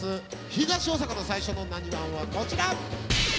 東大阪の最初の「なにわん」はこちら！